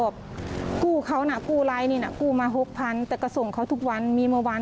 คือตัวหนูหนักหนูไปตั้งแต่เมื่อวาน